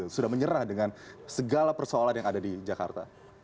sudah menyerah dengan segala persoalan yang ada di jakarta